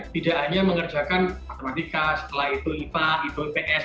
tidak hanya mengerjakan matematika setelah itu ipa itu ps